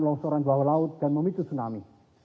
longsoran bawah laut dan memicu tsunami